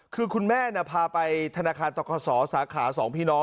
คือคุณแม่พาไปธนาคารต่อคศสาขา๒พี่น้อง